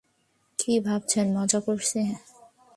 কী ভাবছেন মজা করছি?